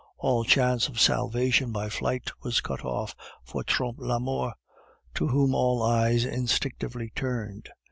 All chance of salvation by flight was cut off for Trompe la Mort, to whom all eyes instinctively turned.